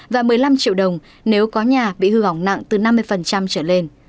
và một mươi năm triệu đồng nếu có nhà bị hư hỏng nặng từ năm mươi trở lên